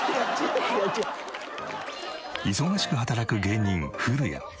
忙しく働く芸人ふるや。